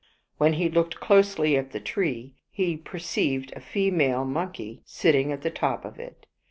When he looked closely at the tree, he perceived a female monkey sit ting at the top of it.